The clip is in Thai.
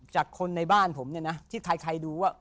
จากคนในบ้านผมเนี่ยนะที่ใครดูว่า